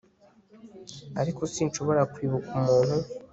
Ariko sinshobora kwibuka umuntu